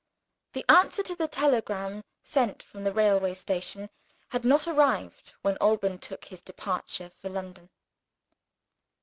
The answer to the telegram sent from the railway station had not arrived, when Alban took his departure for London.